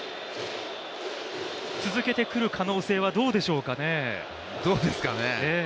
続けてくる可能性はどうでしょうかね？